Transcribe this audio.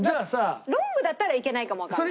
ロングだったらいけないかもわかんない。